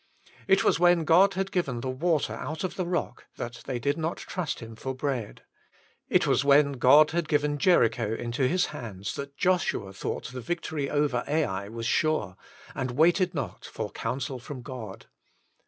It was when God had given the water out of the rock that they did not trust Him for bread. It was when God had given Jericho into his hands that Joshua thought the victory over Ai was sure, and waited not for counsel from God.